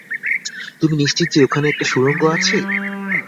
তুমি নিশ্চিত যে ওখানে একটা সুড়ঙ্গ আছে?